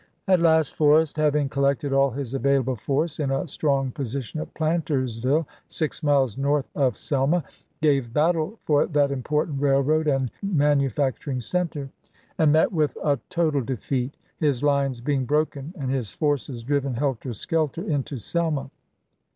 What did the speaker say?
At last Forrest, having collected all his available force in a strong position at Plantersville, six miles north of Selma, gave battle for that im portant railroad and manufacturing center, and 240 ABRAHAM LINCOLN chap. xii. met with a total defeat, his lines being broken and his forces driven helter skelter into Selma.